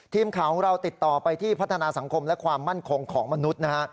ทีมข่าวของเราติดต่อไปที่พัฒนาสังคมและความมั่นคงของมนุษย์นะฮะ